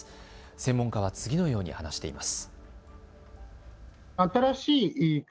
専門家は次のように話しています。